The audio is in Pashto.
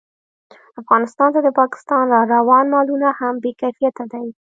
افغانستان ته د پاکستان راروان مالونه هم بې کیفیته دي